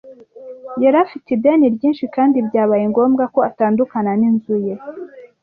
Yari afite ideni ryinshi, kandi byabaye ngombwa ko atandukana n'inzu ye.